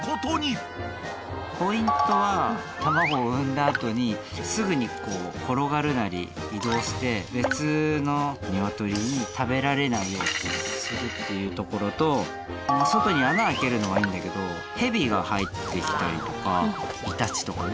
ポイントは卵を産んだ後にすぐに転がるなり移動して別の鶏に食べられないようにするっていうところと外に穴開けるのはいいんだけどヘビが入ってきたりとかイタチとかね。